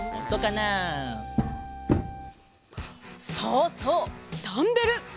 そうそうダンベル！